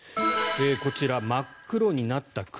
こちら、真っ黒になった栗